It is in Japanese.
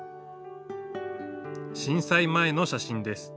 震災前の写真です。